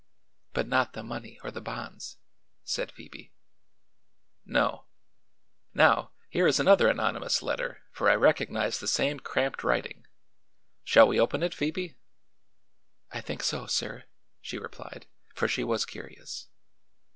"But not the money or the bonds," said Phoebe. "No. Now, here is another anonymous letter, for I recognize the same cramped writing. Shall we open it, Phoebe?" "I think so, sir," she replied, for she was curious.